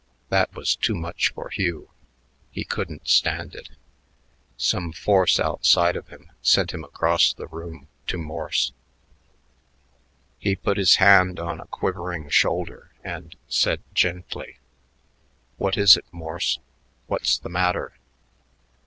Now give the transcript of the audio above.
That was too much for Hugh. He couldn't stand it. Some force outside of him sent him across the room to Morse. He put his hand on a quivering shoulder and said gently: "What is it, Morse? What's the matter?"